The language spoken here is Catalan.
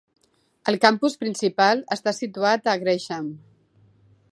El campus principal està situat a Gresham.